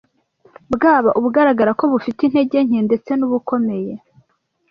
bwaba ubugaragara ko bufite intege nke ndetse n’ubukomeye